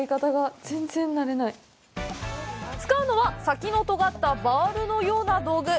使うのは、先のとがったバールのような道具。